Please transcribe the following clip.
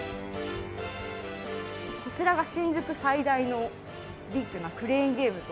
こちらが新宿最大のビッグなクレーンゲームといわれていて。